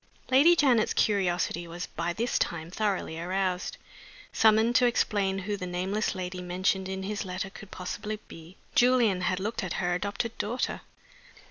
LADY JANET'S curiosity was by this time thoroughly aroused. Summoned to explain who the nameless lady mentioned in his letter could possibly be, Julian had looked at her adopted daughter.